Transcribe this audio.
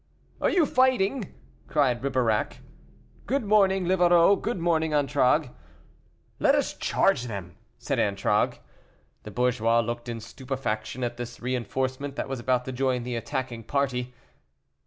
"Are you fighting?" cried Ribeirac. "Good morning, Livarot; good morning, Antragues." "Let us charge them," said Antragues. The bourgeois looked in stupefaction at this reinforcement that was about to join the attacking party.